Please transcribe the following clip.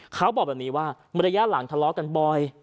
เขาบอกแบบนี้ว่าระยะหลังทะเลาะกันบ่อย